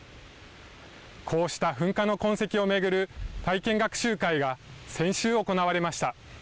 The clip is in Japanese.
こうした噴火の痕跡を巡る体験学習会が先週行われました。